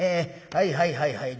はいはいはいはい。